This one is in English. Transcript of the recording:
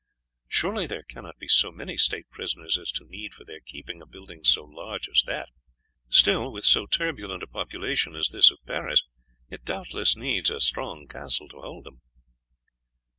Surely there cannot be so many state prisoners as to need for their keeping, a building so large as that. Still, with so turbulent a population as this of Paris, it doubtless needs a strong castle to hold them."